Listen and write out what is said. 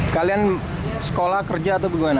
kalian sekolah kerja atau bagaimana